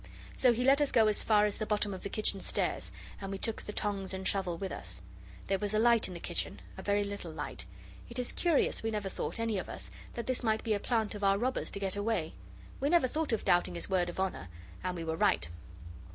So he let us go as far as the bottom of the kitchen stairs, and we took the tongs and shovel with us. There was a light in the kitchen; a very little light. It is curious we never thought, any of us, that this might be a plant of our robber's to get away. We never thought of doubting his word of honour. And we were right.